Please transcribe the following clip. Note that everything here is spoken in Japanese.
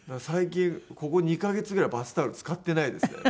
最近ここ２カ月ぐらいバスタオル使ってないです。